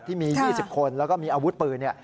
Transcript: ที่มี๒๐คนแล้วก็มีอาวุธปืน